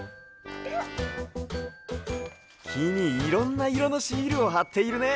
きにいろんないろのシールをはっているね。